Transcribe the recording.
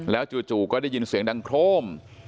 จู่ก็ได้ยินเสียงดังโครม